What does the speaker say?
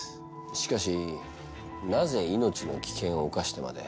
しかしなぜ命の危険を冒してまで。